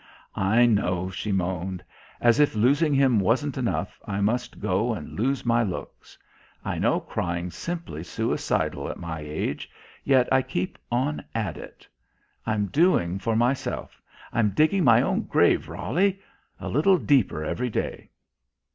"I know," she moaned. "As if losing him wasn't enough I must go and lose my looks. I know crying's simply suicidal at my age, yet I keep on at it. I'm doing for myself. I'm digging my own grave, Roly. A little deeper every day."